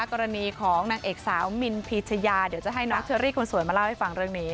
กรณีของนางเอกสาวมินพีชยาเดี๋ยวจะให้น้องเชอรี่คนสวยมาเล่าให้ฟังเรื่องนี้